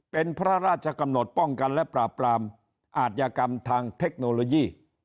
เป็นพระราชกำหนดป้องกันและปราบปรามอาธิกรรมทางเทคโนโลยี